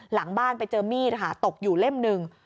หลังบ้านไปเจอมีดค่ะตกอยู่เล่มหนึ่ง